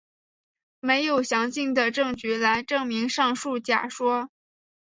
没有详尽的证据来证明上述假说。